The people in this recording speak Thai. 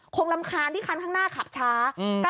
รำคาญที่คันข้างหน้าขับช้า